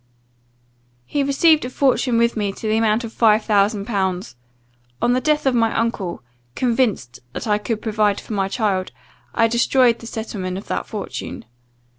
"He received a fortune with me to the amount of five thousand pounds. On the death of my uncle, convinced that I could provide for my child, I destroyed the settlement of that fortune.